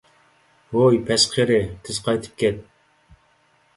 ھوي، پەس قېرى، تېز قايتىپ كەت!